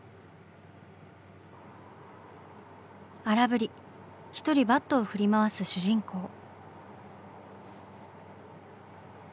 荒ぶり一人バットを振り回す主人公。